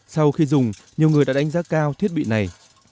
sau khi dùng nhiều người đã đánh giá cao thiết bị này